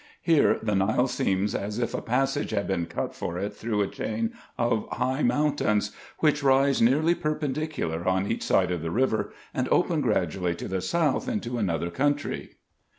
Here the Nile seems as if a passage had been cut for it through a chain of high mountains, which rise nearly perpendicular on each side of the river, and open gradually to the south, into another country.